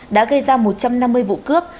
đã gây ra một trăm năm mươi vụ cướp